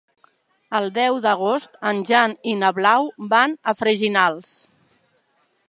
El deu d'agost en Jan i na Blau van a Freginals.